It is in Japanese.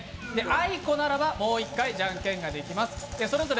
あいこならばもう一回じゃんけんができます。